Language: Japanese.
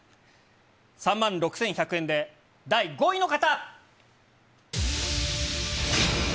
３万６１００円で、第５位の方。